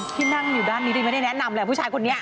ที่นั่งอยู่ด้านนี้ดีไม่ได้แนะนำแหละผู้ชายคนนี้